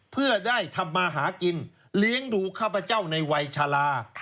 เพื่อได้ทำมาหากินเลี้ยงดูข้าพเจ้าในวัยชาลา